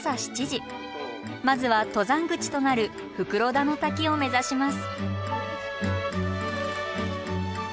まずは登山口となる袋田の滝を目指します。